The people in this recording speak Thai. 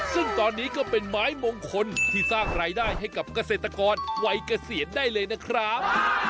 ซึ่งตอนนี้ก็เป็นไม้มงคลที่สร้างรายได้ให้กับเกษตรกรวัยเกษียณได้เลยนะครับ